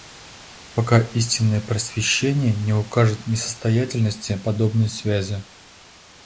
Пока истинное просвещение не укажет несостоятельности подобной связи.